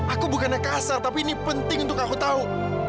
aku bukannya kasar tapi ini penting untuk aku tahu